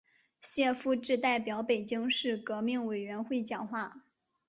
谢富治代表北京市革命委员会讲话。